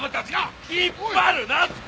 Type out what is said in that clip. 引っ張るなって！